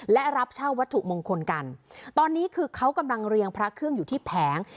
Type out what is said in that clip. และรับเช่าวัตถุมงคลกันตอนนี้คือเขากำลังเรียงพระเครื่องอยู่ที่แผง